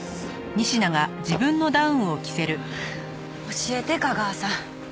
教えて架川さん。